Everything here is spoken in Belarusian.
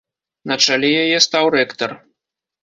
На чале яе стаў рэктар.